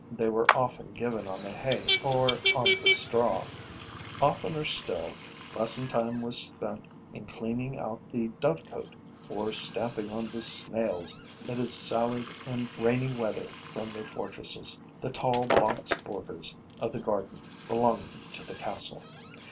They were often given on the hay or on the straw; oftener still, lesson time was spent in cleaning out the dovecote or stamping on the snails that had sallied in rainy weather from their fortresses, the tall box borders of the garden belonging to the castle.